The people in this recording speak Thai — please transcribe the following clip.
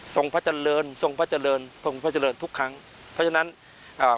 พระเจริญทรงพระเจริญทรงพระเจริญทุกครั้งเพราะฉะนั้นอ่า